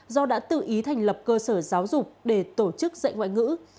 do đã tự ý thành lập cơ sở giáo dục để tổ chức dạy ngoại ngữ